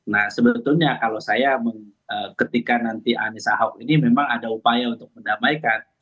nah sebetulnya kalau saya ketika nanti anies ahok ini memang ada upaya untuk mendamaikan